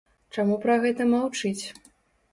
Чаму пра гэта маўчыць?